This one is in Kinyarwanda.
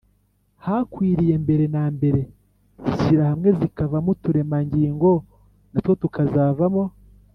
hakwiriye Mbere na mbere zishyira hamwe zikavamo uturemangingo na two tukazavamo